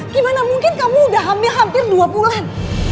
gimana mungkin kamu udah hamil hampir dua bulan